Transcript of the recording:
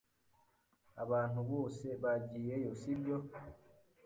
Abantu bose bagiyeyo, sibyo?